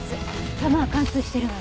弾は貫通してるわね。